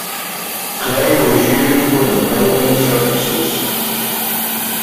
Clay was used for the bowling surfaces.